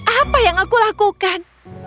apa yang aku lakukan